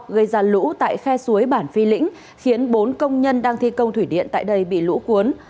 gây ra lũ tại khe suối bản phi lĩnh khiến bốn công nhân đang thi công thủy điện tại đây bị lũ cuốn